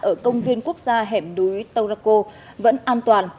ở công viên quốc gia hẻm núi tâu rắc cô vẫn an toàn